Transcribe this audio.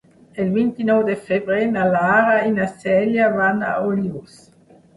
El vint-i-nou de febrer na Lara i na Cèlia van a Olius.